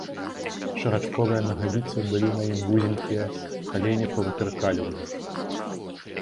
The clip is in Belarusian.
Шарачковыя нагавіцы былі на ім вузенькія, калені павытыркалі ў іх.